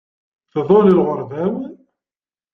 Tḍul lɣerba-w.